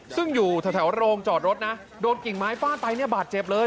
ซึ่งอยู่แถวโรงจอดรถนะโดนกิ่งไม้ฟาดไปเนี่ยบาดเจ็บเลย